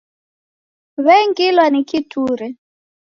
W'engilwa ni kiture.